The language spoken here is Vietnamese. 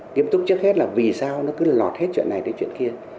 nghiêm túc trước hết là vì sao nó cứ lọt hết chuyện này đến chuyện kia